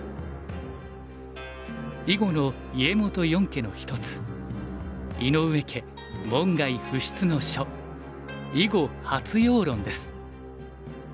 囲碁の家元四家の一つ井上家門外不出の書「囲碁発陽論」です。